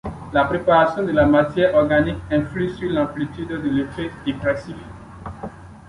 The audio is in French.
La préparation de la matière organique influe sur l'amplitude de l'effet dépressif.